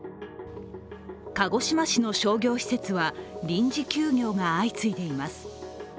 鹿児島市の商業施設は臨時休業が相次いでいます。